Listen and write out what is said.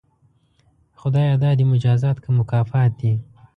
خدایه دا دې مجازات که مکافات دي؟